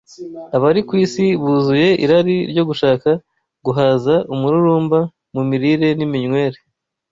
Abari ku isi buzuye irari ryo gushaka guhaza umururumba mu mirire n’iminywere